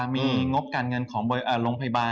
มีงบการเงินของโรงพยาบาล